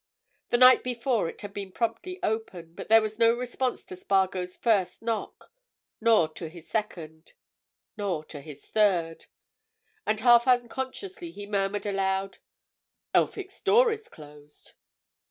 The night before it had been promptly opened, but there was no response to Spargo's first knock, nor to his second, nor to his third. And half unconsciously he murmured aloud: "Elphick's door is closed!"